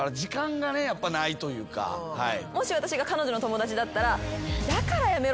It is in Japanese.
もし私が彼女の友達だったら。